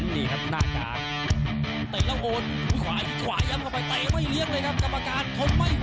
นี่ครับหน้ากาก